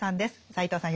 斎藤さん